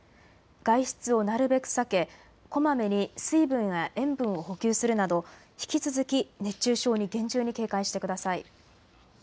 外出をなるべく避け、こまめに水分や塩分を補給するなど引き続き熱中症に厳重に警戒してください。